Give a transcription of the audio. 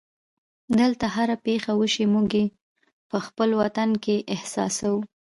دلته هره پېښه وشي موږ یې په خپل وطن کې احساسوو.